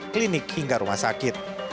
klinik hingga rumah sakit